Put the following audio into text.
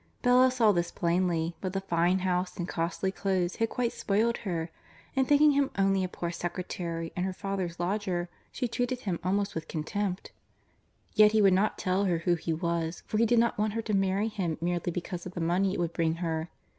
Bella saw this plainly, but the fine house and costly clothes had quite spoiled her, and, thinking him only a poor secretary and her father's lodger, she treated him almost with contempt. Yet he would not tell her who he was, for he did not want her to marry him merely because of the money it would bring her.